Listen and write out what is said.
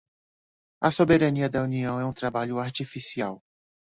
A soberania da União é um trabalho artificial.